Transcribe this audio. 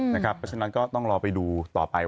เพราะฉะนั้นก็ต้องรอไปดูต่อไป